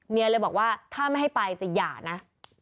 เมียเลยบอกว่าถ้าไม่ให้ไปจะหย่านะ